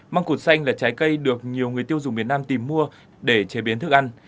măng cụt xanh là trái cây được nhiều người tiêu dùng miền nam tìm mua để chế biến thức ăn